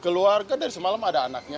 keluarga dari semalam ada anaknya